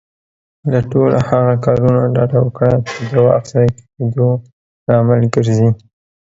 له ټولو هغه کارونه ډډه وکړه، چې د وخت ضايع کيدو لامل ګرځي.